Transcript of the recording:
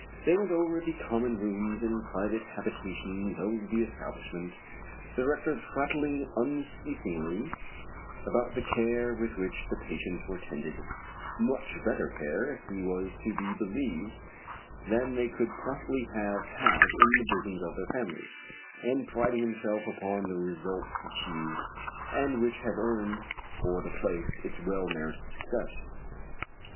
They went over the common rooms and private habitations of the establishment, the director prattling unceasingly about the care with which the patients were tended much better care, if he was to be believed, than they could possibly have had in the bosoms of their families and priding himself upon the results achieved, and which had earned for the place its well merited success.